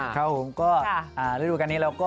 ครับผมก็ฤดูการนี้เราก็